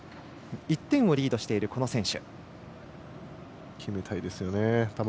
１点をリードしているこの選手。